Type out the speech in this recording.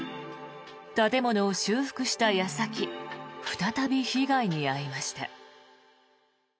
建物を修復した矢先再び被害に遭いました。